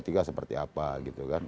tiga seperti apa gitu kan